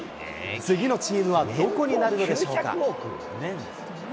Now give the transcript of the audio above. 次のチームはどこになるのでしょうか。